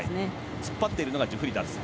突っ張っているのがジュフリダ。